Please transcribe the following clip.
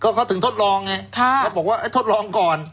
ก็เขาถึงทดลองไงค่ะแล้วบอกว่าไอ้ทดลองก่อน